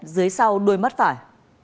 dưới sau đôi mắt phải